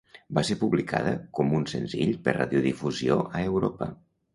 Va ser publicada com un senzill per radiodifusió a Europa.